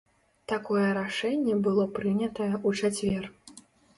Такое рашэнне было прынятае ў чацвер.